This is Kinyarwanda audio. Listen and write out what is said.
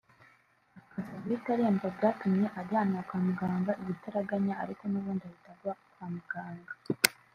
akaza guhita aremba byatumye ajyanwa kwa muganga igitaraganya ariko n’ubundi ahita agwa kwa muganga